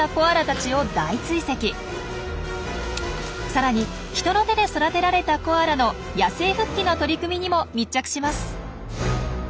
さらに人の手で育てられたコアラの野生復帰の取り組みにも密着します。